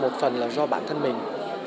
một phần là do bản thân mình